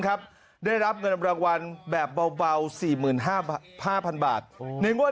ครับได้รับเงินรางวัลแบบเบาสี่หมื่นห้าพันบาทในงวด